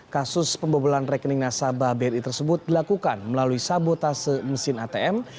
kasus pembobolan rekening nasabah bri tersebut dilakukan melalui sabotase mesin atm